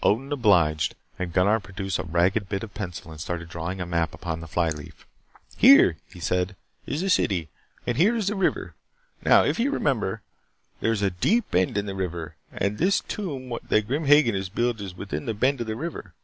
Odin obliged and Gunnar produced a ragged bit of pencil and started drawing a map upon the fly leaf. "Here," he said, "is the city. And here is the river. Now, if you remember, there is a deep bend in the river, and this tomb that Grim Hagen has built is within the bend of the river.